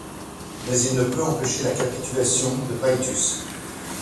Mais il ne peut empêcher la capitulation de Paetus.